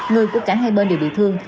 người của cả hai bên đều bị thương